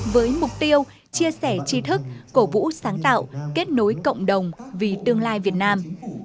với mục tiêu chia sẻ chi thức cổ vũ sáng tạo kết nối cộng đồng vì tương lai việt nam